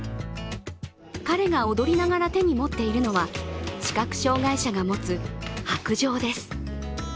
彼が踊りながら手に持っているのは視覚障害者が持つ白杖です。